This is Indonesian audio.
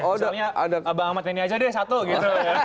misalnya abang ahmad ini aja deh satu gitu